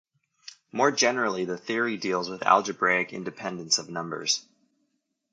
More generally the theory deals with algebraic independence of numbers.